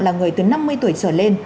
là người từ năm mươi tuổi trở lên